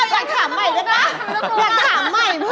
ไม่เอาอยากถามใหม่ด้วยนะ